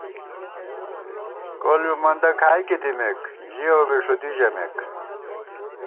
کول بی مندہ کھائیکے دِمېک ژِیَؤ بی ݭُدی ژَمېک